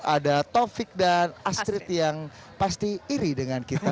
ada taufik dan astrid yang pasti iri dengan kita